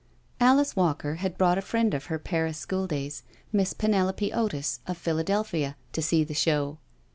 Alice Walker had brought a friend of her Paris Schooldays, Miss Penelope Otis, of Philadelphia, to see the show.